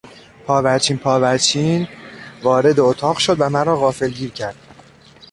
پاورچین پاورچین وارد اتاق شد و مرا غافلگیر کرد.